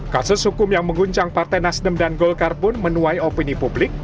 kasus hukum yang mengguncang partai nasdem dan golkar pun menuai opini publik